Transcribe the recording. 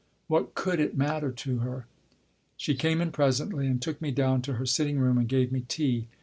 (What could it matter to her ?) She came in presently and took me down to her sitting room, and gave me tea.